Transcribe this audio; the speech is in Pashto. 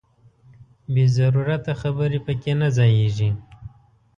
بې ضرورته خبرې پکې نه ځاییږي.